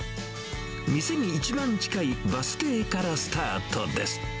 店に一番近いバス停からスタートです。